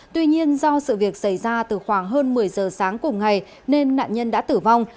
tuy nhiên do sự việc xảy ra từ khoảng hơn một mươi giờ sáng cùng ngày nên nạn nhân đã tử vong